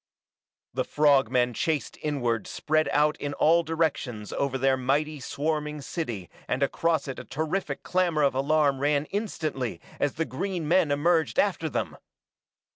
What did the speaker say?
The frog men chased inward spread out in all directions over their mighty, swarming city and across it a terrific clamor of alarm ran instantly as the green men emerged after them!